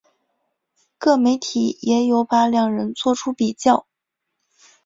各媒体也有把两人作出比较。